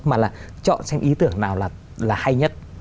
mà là chọn xem ý tưởng nào là hay nhất